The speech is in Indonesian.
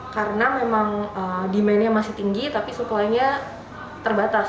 karena memang demandnya masih tinggi tapi suklainya terbatas